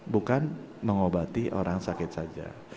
bukan mengobati orang sakit saja